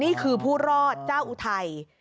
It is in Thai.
นี่คือผู้รอดเจ้าอุไทย